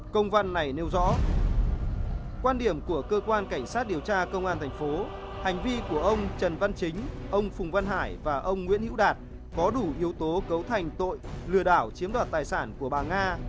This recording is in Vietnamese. công văn này nêu rõ quan điểm của cơ quan cảnh sát điều tra công an thành phố hành vi của ông trần văn chính ông phùng văn hải và ông nguyễn hữu đạt có đủ yếu tố cấu thành tội lừa đảo chiếm đoạt tài sản của bà nga